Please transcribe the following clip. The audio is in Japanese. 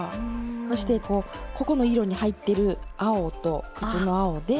そしてここの色に入ってる青と靴の青で。